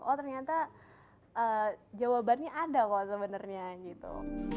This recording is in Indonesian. oh ternyata jawabannya ada kok sebenarnya gitu